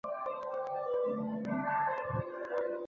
父亲为前建设事务次官及鸟取县知事石破二朗。